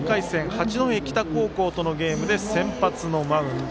八戸北高校とのゲームで先発のマウンド。